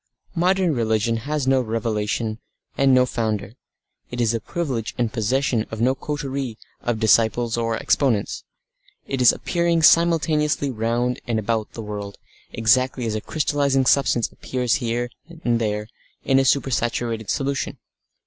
Modern religion has no revelation and no founder; it is the privilege and possession of no coterie of disciples or exponents; it is appearing simultaneously round and about the world exactly as a crystallising substance appears here and there in a super saturated solution.